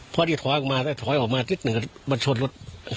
พอที่ถอยออกมาได้ถอยออกมานิดหนึ่งมันชนรถ